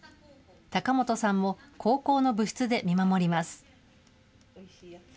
高本さんも、高校の部室で見守ります。